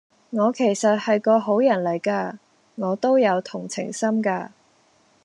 我其實係個好人嚟架，我都有同情心㗎